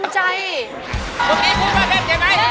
นี่แหละภูมิใจ